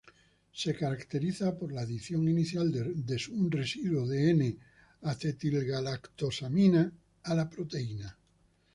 Se caracteriza por la adición inicial de un residuo de N-acetilgalactosamina a la proteína.